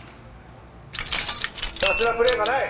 雑なプレーがない。